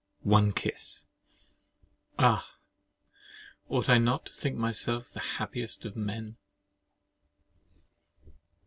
One kiss! Ah! ought I not to think myself the happiest of men?